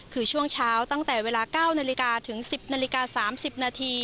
คือช่วงเช้าตั้งแต่เวลา๙นถึง๑๐น๓๐น